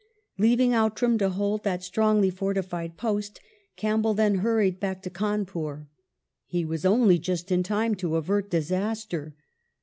Leaving Outram to hold that strongly fortified post, Campbell then hurried back to Cawnpur. He was only just in time to avert disaster.